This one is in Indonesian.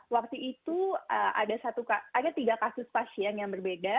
waktu itu ada tiga kasus pasien yang berbeda